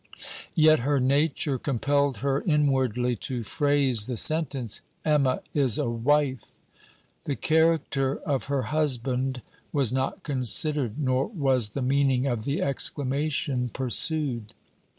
Yet her nature compelled her inwardly to phrase the sentence: 'Emma is a wife!' The character of her husband was not considered, nor was the meaning of the exclamation pursued.